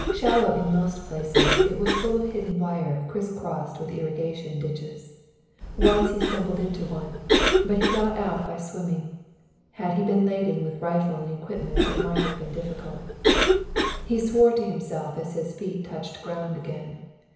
Shallow in most places, it was full of hidden wire and crisscrossed with irrigation ditches. Once he stumbled into one, but he got out by swimming. Had he been laden with a rifle and equipment it might have been difficult. He swore to himself as his feet touched ground again.